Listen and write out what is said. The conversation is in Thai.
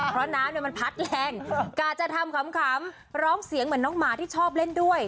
เพราะน้ำมันพัดแรงกะจะทำขำร้องเสียงเหมือนน้องหมาที่ชอบเล่นด้วย